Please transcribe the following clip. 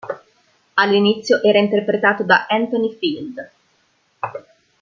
All'inizio era interpretato da Anthony Field.